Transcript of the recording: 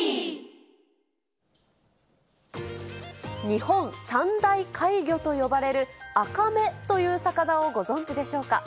日本三大怪魚と呼ばれる、アカメという魚をご存じでしょうか。